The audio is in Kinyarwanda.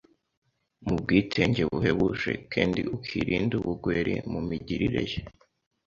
mu bwitenge buhebuje kendi ekirinde ubugweri mu migirire ye